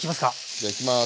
じゃいきます。